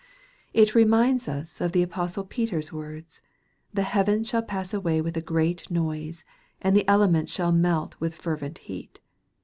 It reminds us of the apostle Peter's words, " the heavens shall pass away with a great noise, and the elements shall melt with fervent heat."